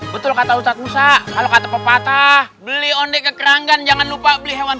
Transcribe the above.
betul kata usat usa kalau kata pepatah beli onde ke keranggan jangan lupa beli hewan